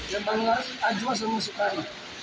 yang paling laris acua sama sukari